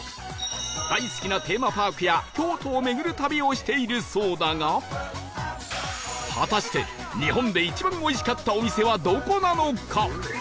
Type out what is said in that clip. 大好きなテーマパークや京都を巡る旅をしているそうだが果たして日本で一番おいしかったお店はどこなのか？